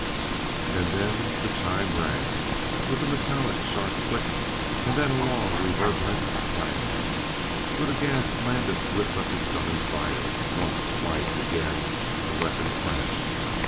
And then the chime rang, with a metallic, sharp click and then a long and reverberant clanging. With a gasp Landis whipped up his gun and fired. Once, twice, again, the weapon crashed.